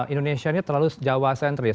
indonesia ini terlalu jawa sentris